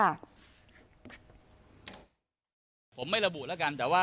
คุณผู้ชมฟังเสียงพี่โจ๊กหน่อยค่ะ